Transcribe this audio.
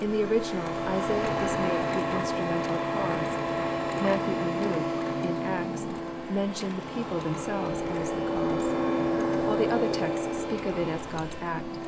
In the original, Isaiah is made the Instrumental cause. Matthew and Luke, in Acts, mention the people themselves as the cause* JOHN, CHAP. xn. 369 AU the other texts speak of it as God's act.